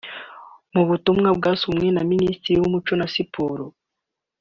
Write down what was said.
Mu butumwa bwasomwe na Minisitiri w’Umuco na Siporo